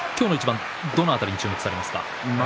どこに注目されますか？